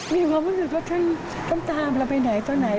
มีความรู้สึกว่าท่านต้องตามเราไปไหนต่อไหน